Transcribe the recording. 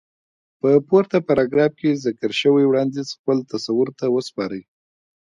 په پورته پاراګراف کې ذکر شوی وړانديز خپل تصور ته وسپارئ.